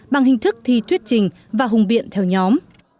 bằng hình thức thi thuyết trình và hùng biện theo nhóm